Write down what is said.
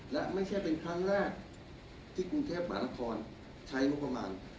และไม่ใช่เป็นครั้งแรกที่กรุงเทพหมานครใช้งบประมาณ